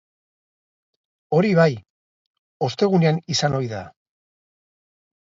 Hori bai, ostegunean izan ohi da.